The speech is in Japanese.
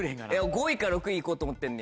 ５位か６位行こうと思ってんの。